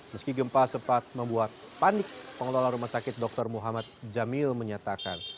meski gempa sempat membuat panik pengelola rumah sakit dr muhammad jamil menyatakan